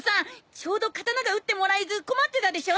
ちょうど刀が打ってもらえず困ってたでしょ。